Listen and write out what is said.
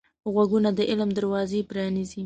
غوږونه د علم دروازې پرانیزي